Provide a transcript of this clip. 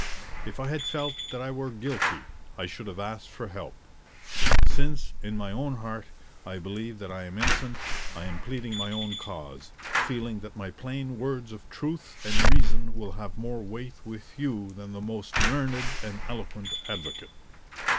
If I had felt that I were guilty I should have asked for help. Since, in my own heart, I believe that I am innocent, I am pleading my own cause, feeling that my plain words of truth and reason will have more weight with you than the most learned and eloquent advocate.